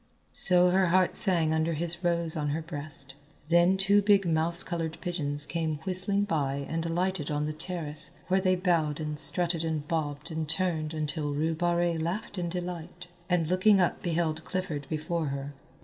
So her heart sang under his rose on her breast. Then two big mouse coloured pigeons came whistling by and alighted on the terrace, where they bowed and strutted and bobbed and turned until Rue Barrée laughed in delight, and looking up beheld Clifford before her.